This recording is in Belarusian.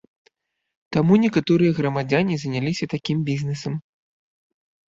Таму некаторыя грамадзяне заняліся такім бізнэсам.